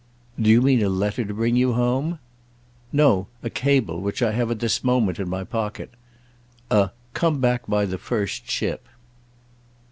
"Do you mean a letter to bring you home?" "No—a cable, which I have at this moment in my pocket: a 'Come back by the first ship.